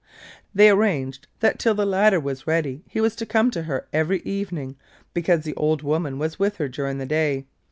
They arranged that till the ladder was ready, he was to come to her every evening, because the old woman was with her during the day.